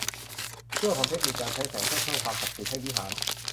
เรื่องของเทคนิคการใช้แสงเพื่อเพิ่มความศักดิ์สิทธิ์ให้วิหาร